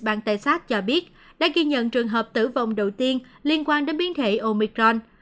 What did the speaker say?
bang texas cho biết đã ghi nhận trường hợp tử vong đầu tiên liên quan đến biến thể omicron